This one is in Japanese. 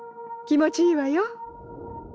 気持ちいいわよ。